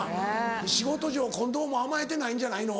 仕事上近藤も甘えてないんじゃないの？